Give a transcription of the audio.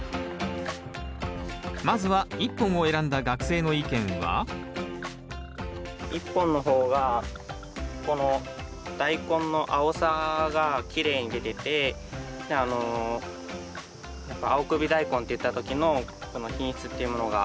まずは１本を選んだ学生の意見は１本の方がこのダイコンの青さがきれいに出ててやっぱ青首ダイコンって言った時の品質っていうものが分かるのかな。